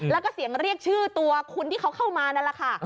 แล้วก็เสียงเรียกชื่อตัวคุณที่เขาเข้ามานั่นแหละค่ะ